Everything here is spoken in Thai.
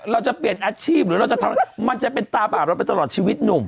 เราจะเปลี่ยนอาชีพหรือเราจะทำมันจะเป็นตาบาปเราไปตลอดชีวิตหนุ่ม